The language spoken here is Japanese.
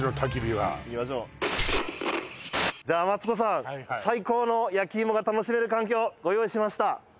はいはい最高の焼き芋が楽しめる環境ご用意しました！